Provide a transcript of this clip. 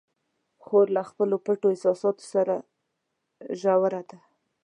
خور له خپلو پټو احساساتو سره ژوره ده.